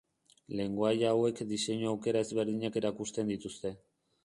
Lengoaia hauek diseinu aukera ezberdinak erakusten dituzte.